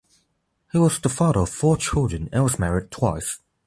He was the father of four children and was married twice.